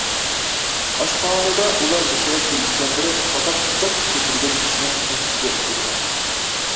ئاشخانىدا ئۇلار بېشىغا گۈلچەمبىرەك تاقاپ پىچاق كۆتۈرگەن كىشىنىڭ تەھدىتىگە ئۇچرىغان.